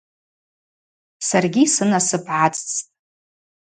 Саргьи сынасып гӏацӏцӏтӏ.